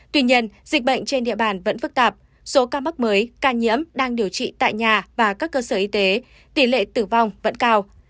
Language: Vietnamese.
tuy nhiên dịch bệnh trên địa bàn vẫn phức tạp số ca mắc mới ca nhiễm đang điều trị tại nhà và các cơ sở y tế tỷ lệ tử vong vẫn cao